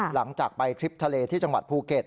หลังจากไปทริปทะเลที่จังหวัดภูเก็ต